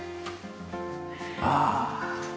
ああ。